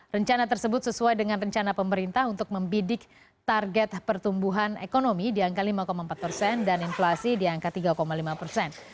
rencana tersebut sesuai dengan rencana pemerintah untuk membidik target pertumbuhan ekonomi di angka lima empat persen dan inflasi di angka tiga lima persen